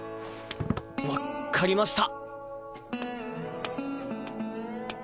わっかりました。